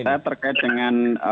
yang saya terkait dengan